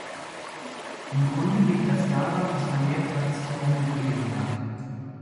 Im Grunde liegt das daran, dass man mehr Platz zum Manövrieren hat.